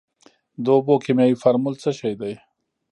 د اوبو کیمیاوي فارمول څه شی دی.